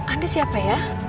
anda siapa ya